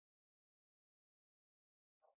علم د نسلونو ترمنځ تفاهم رامنځته کوي.